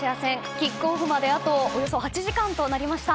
キックオフまであとおよそ８時間となりました。